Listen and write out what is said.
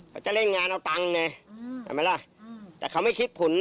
เขาจะเล่นงานเอาตังค์เนี่ยอืมทำไมล่ะอืมแต่เขาไม่คิดผล